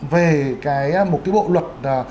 về một cái bộ luật